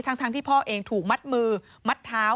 ทั้งที่พ่อเองถูกมัดมือมัดเท้า